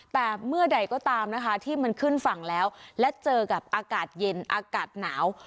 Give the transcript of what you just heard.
แต่เมื่อใดก็ตามนะคะที่มันขึ้นฝั่งแล้วและเจอกับอากาศเย็นอากาศหนาว